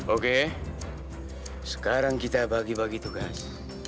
oke sekarang kita bagi bagi tugas